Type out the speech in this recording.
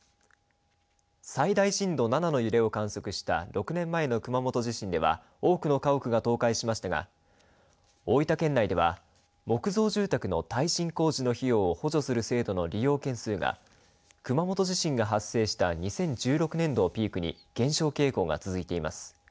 最大震度７の揺れを観測した６年前の熊本地震では多くの家屋が倒壊しましたが大分県内では木造住宅の耐震工事の費用を補助する制度の利用件数が熊本地震が発生した２０１６年度をピークに減少傾向が続いています。